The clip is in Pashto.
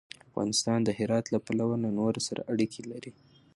افغانستان د هرات له پلوه له نورو سره اړیکې لري.